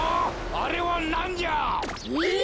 あれはなんじゃ！？